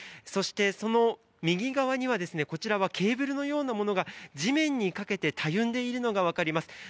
そして、その右側にはケーブルのようなものが地面にかけてたゆんでいるのが分かります。